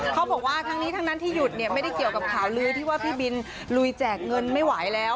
เขาบอกว่าทั้งนี้ทั้งนั้นที่หยุดเนี่ยไม่ได้เกี่ยวกับข่าวลื้อที่ว่าพี่บินลุยแจกเงินไม่ไหวแล้ว